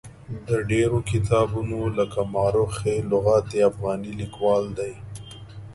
د ډېرو کتابونو لکه ما رخ لغات افغاني لیکوال دی.